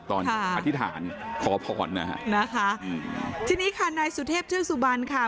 อธิษฐานขอพรนะฮะนะคะอืมทีนี้ค่ะนายสุเทพเทือกสุบันค่ะ